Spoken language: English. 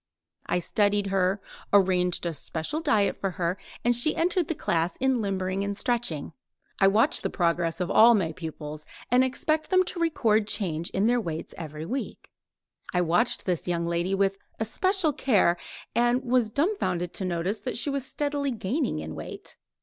I studied her, arranged a special diet for her and she entered the class in limbering and stretching. I watch the progress of all my pupils, and expect them to record the change in their weights every week. I watched this young lady with especial care, and was dumbfounded to notice that she was steadily gaining in weight.